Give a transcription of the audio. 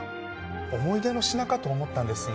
思い出の品かと思ったんですが。